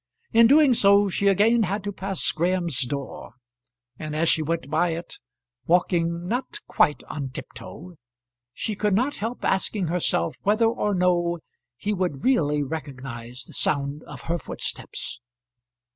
In doing so she again had to pass Graham's door, and as she went by it, walking not quite on tiptoe, she could not help asking herself whether or no he would really recognise the sound of her footsteps.